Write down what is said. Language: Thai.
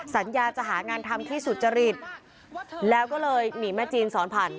สัญญาจะหางานทำที่สุจริตแล้วก็เลยหนีแม่จีนสอนผ่าน